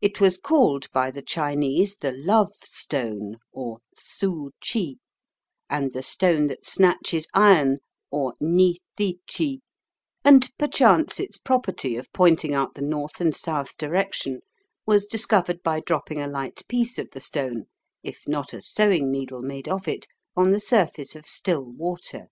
It was called by the Chinese the love stone or thsu chy, and the stone that snatches iron or ny thy chy, and perchance its property of pointing out the north and south direction was discovered by dropping a light piece of the stone, if not a sewing needle made of it, on the surface of still water.